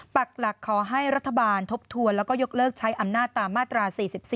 ปักหลักขอให้รัฐบาลทบทวนแล้วก็ยกเลิกใช้อำนาจตามมาตรา๔๔